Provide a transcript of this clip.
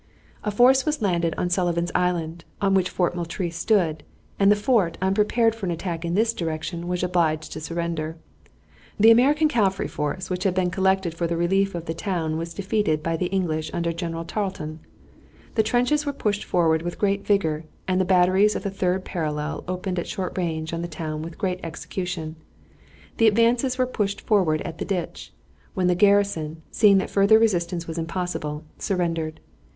A force was landed on Sullivan's Island, on which Fort Moultrie stood, and the fort, unprepared for an attack in this direction, was obliged to surrender. The American cavalry force which had been collected for the relief of the town was defeated by the English under General Tarleton. The trenches were pushed forward with great vigor, and the batteries of the third parallel opened at short range on the town with great execution. The advances were pushed forward at the ditch, when the garrison, seeing that further resistance was impossible, surrendered.